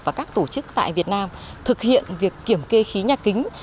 và các tổ chức tại việt nam thực hiện việc kiểm kê khí nhà kính